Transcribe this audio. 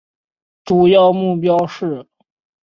主要目标是